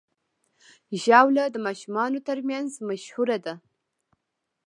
ژاوله د ماشومانو ترمنځ مشهوره ده.